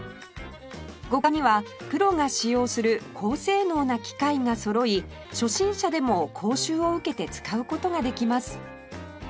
５階にはプロが使用する高性能な機械がそろい初心者でも講習を受けて使う事ができます